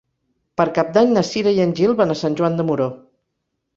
Per Cap d'Any na Cira i en Gil van a Sant Joan de Moró.